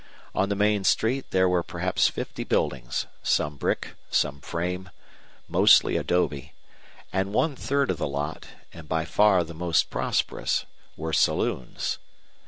On the main street there were perhaps fifty buildings, some brick, some frame, mostly adobe, and one third of the lot, and by far the most prosperous, were saloons.